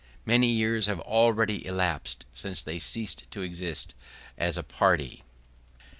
Many years have already elapsed since they ceased to exist as a party.